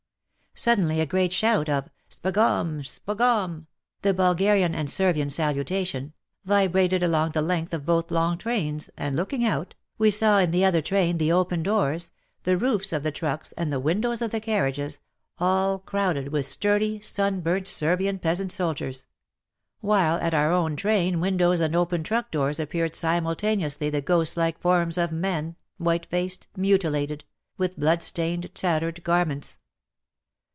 Suddenly a great shout of '* Sbogom ! Sbogom !" (the Bulgarian and Servian salutation) vibrated along the length of both long trains, and, looking out, we saw in the other train the open doors, the roofs of the WAR AND WOMEN 55 trucks, and the windows of the carnages, all crowded with sturdy, sunburnt Servian peasant soldiers ; while at our own train windows and open truck doors appeared simultaneously the ghost like forms of men — white faced, mutilated — with bloodstained, tattered garments.